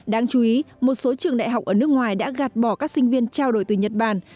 đáng chú ý một số trường đại học ở nước ngoài đã gạt bỏ các sinh viên trao đổi từ nhật bản